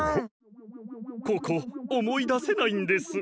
ここおもいだせないんです。